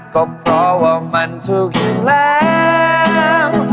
ก็เพราะว่ามันถูกอยู่แล้ว